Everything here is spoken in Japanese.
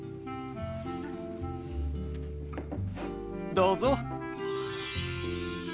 どうぞ。